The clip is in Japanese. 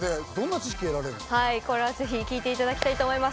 これはぜひ聞いていただきたいと思います。